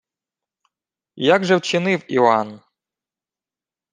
Як же вчинив Іоанн?